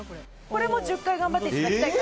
これも１０回頑張っていただきたい。